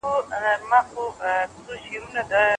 زیاته ډوډۍ ماڼۍ ته وړل سوې وه.